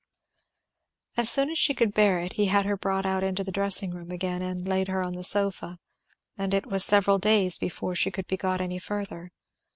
As soon as she could bear it he had her brought out to the dressing room again, and laid on the sofa; and it was several days before she could be got any further.